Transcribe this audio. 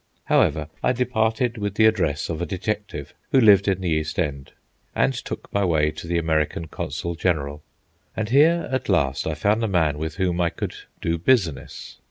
However, I departed with the address of a detective who lived in the East End, and took my way to the American consul general. And here, at last, I found a man with whom I could "do business."